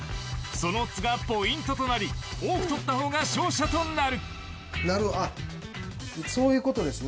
そのオッズがポイントとなり多くとったほうが勝者となる。